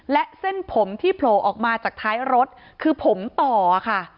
และเส้นผมที่โผล่ออกมาจากท้ายรถคือผมต่อค่ะ